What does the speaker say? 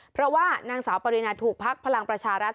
เพราะว่านางสาวปรินาถูกพักพลังประชารัฐ